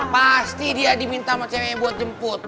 pasti dia diminta sama ceweknya buat jemput